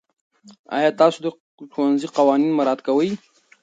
آیا تاسو د ښوونځي قوانین مراعات کوئ؟